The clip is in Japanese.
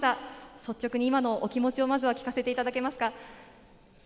率直に今のお気持ちを聞かせていただけますか？